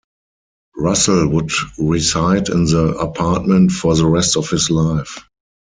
Russell would reside in the apartment for the rest of his life.